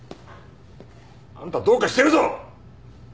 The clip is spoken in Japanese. あんたどうかしてるぞ！